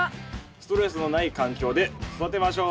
ストレスのない環境で育てましょう。